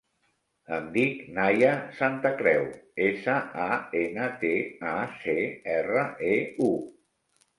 Em dic Naia Santacreu: essa, a, ena, te, a, ce, erra, e, u.